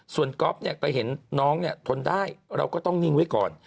ส่วนก๊อฟเนี่ยก็เห็นน้องทนได้เราก็ต้องนิ่งไว้ก่อน